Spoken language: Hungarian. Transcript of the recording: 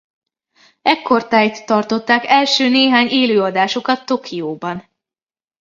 Ekkortájt tartották első néhány élő előadásukat Tokióban.